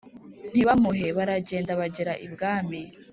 ntibamuhe. Baragenda bagera ibwami.